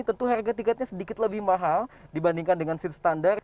tentu harga tiketnya sedikit lebih mahal dibandingkan dengan seat standar